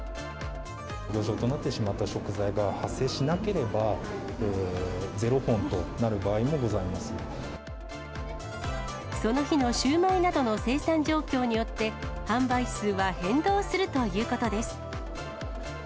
余剰となってしまった食材が発生しなければ、その日のシウマイなどの生産状況によって、販売数は変動するということです。